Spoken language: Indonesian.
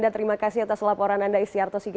terima kasih pak